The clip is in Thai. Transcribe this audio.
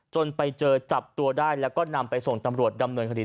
จนไปเจอจับตัวได้แล้วก็นำไปส่งตำรวจดำเนินคดี